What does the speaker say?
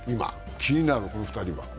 気になる、この２人は。